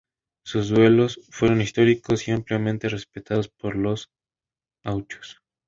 Sus duelos fueron históricos y ampliamente respetados por los Gauchos.